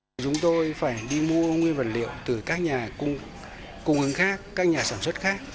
chúng tôi phải đi mua nguyên vật liệu từ các nhà cung ứng khác các nhà sản xuất khác